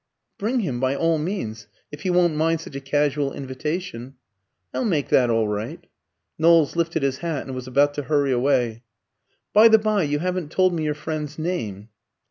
"Bring him by all means, if he won't mind such a casual invitation." "I'll make that all right." Knowles lifted his hat, and was about to hurry away. "By the bye, you haven't told me your friend's name."